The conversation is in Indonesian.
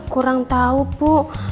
kurang tau puk